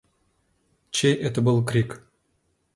Чей это был крик?